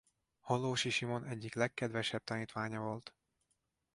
Hollósy Simon egyik legkedvesebb tanítványa volt.